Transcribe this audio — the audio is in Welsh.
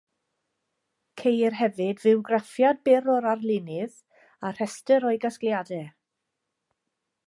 Ceir hefyd fywgraffiad byr o'r arlunydd, a rhestr o'i gasgliadau.